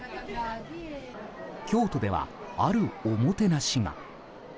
京都では、あるおもてなしが。